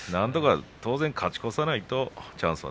当然勝ち越さないとチャンスは